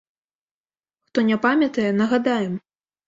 Хто не памятае, нагадаем.